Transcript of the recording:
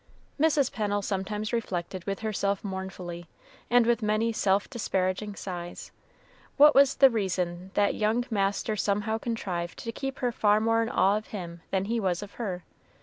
Mrs. Pennel sometimes reflected with herself mournfully, and with many self disparaging sighs, what was the reason that young master somehow contrived to keep her far more in awe of him than he was of her.